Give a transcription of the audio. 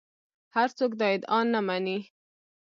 هر څوک دا ادعا نه مني